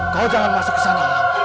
kau jangan masuk ke sana